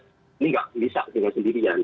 ini tidak bisa dengan sendirian